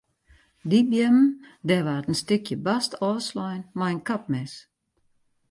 Dy beammen dêr waard in stikje bast ôfslein mei in kapmes.